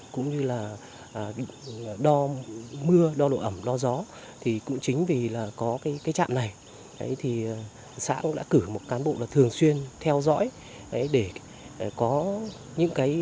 cũng như là đo mưa